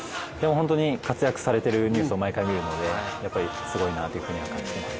本当に活躍されているニュースを毎回見るので、すごいなというふうには感じています。